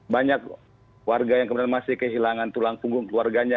banyak warga yang kemudian masih kehilangan tulang punggung keluarganya